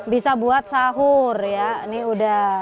bisa buat sahur ya ini udah